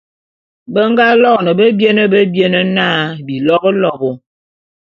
Be nga loene bebiene bebiene na, Bilobôlobô.